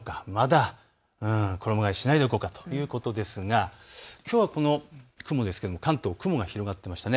まだ衣がえをしないでおこうかということですがきょうのこの雲、関東広がっていました。